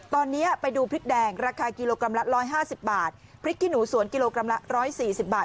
ตอนนี้ไปดูพริกแดงราคากิโลกรัมละ๑๕๐บาทพริกขี้หนูสวนกิโลกรัมละ๑๔๐บาท